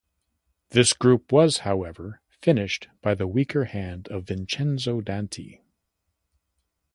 This group was, however, finished by the weaker hand of Vincenzo Danti.